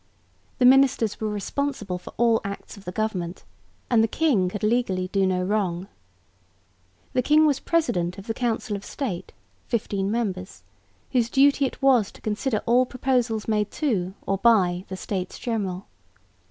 The ministers were responsible for all acts of the government, and the king could legally do no wrong. The king was president of the Council of State (15 members), whose duty it was to consider all proposals made to or by the States General.